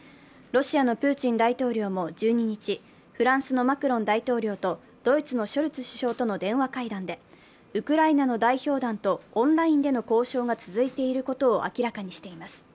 ロシアのプーチン大統領も１２日、フランスのマクロン大統領とドイツのショルツ首相との電話会談でウクライナの代表団とオンラインでの交渉が続いていることを明らかにしています。